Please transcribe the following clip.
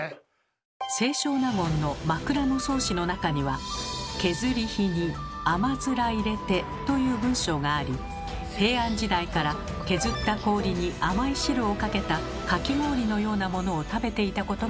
清少納言の「枕草子」の中にはという文章があり平安時代から削った氷に甘い汁をかけたかき氷のようなものを食べていたことがわかります。